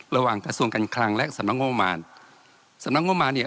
ระหว่างกระทรวงการคลังและสำนักงบมารสำนักงบมารเนี่ย